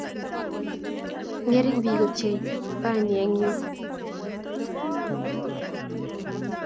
ngering biik ochei rani eng yuu